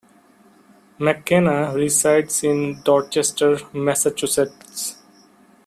McKenna resides in Dorchester, Massachusetts.